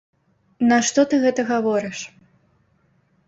Нашто ты гэта гаворыш?